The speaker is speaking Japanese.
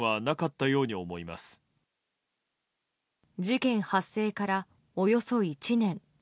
事件発生からおよそ１年。